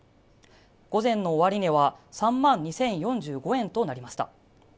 午前の終値は３万２０４５円となりました。